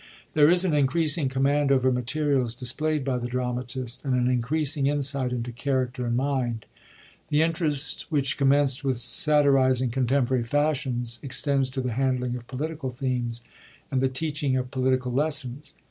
There is an increasing command over materials displayd by the dramatist, and an increasing insight into character and mind. The interest which commenced with satir ising contemporary fashions extends to the handling of political themes and the teaching of political lessons.